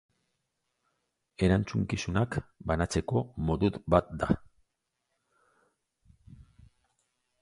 Erantzukizunak banatzeko modu bat da.